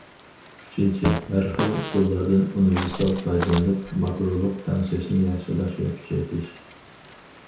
ئۈچىنچى، ھەر خىل ئۇسۇللاردىن ئۇنىۋېرسال پايدىلىنىپ، ماكرولۇق تەڭشەشنى ياخشىلاش ۋە كۈچەيتىش.